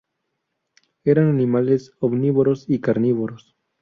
Eran animales omnívoros y carnívoros.